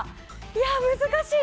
いや、難しい。